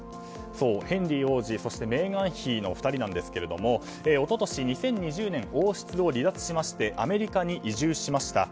ヘンリー王子とメーガン妃のお二人ですが一昨年、２０２０年王室を離脱しましてアメリカに移住しました。